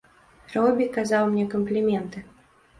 Робі казаў мне кампліменты.